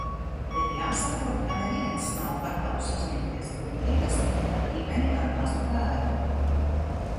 Bet jāsaprot, ka neviens nav gatavs uzņemties grūtības ar ģimeni ar mazu bērnu.